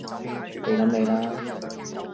你諗你啦